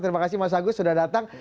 terima kasih mas agus sudah datang